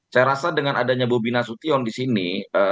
saya rasa dengan adanya bobi nasution di sini